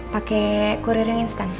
pake kurir yang instan